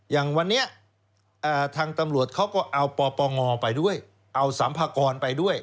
อย่างวันนี้ทางตำรวจเขาก็เอาปปงไปด้วยเอาสัมภากรไปด้วย